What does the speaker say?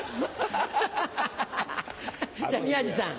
じゃあ宮治さん。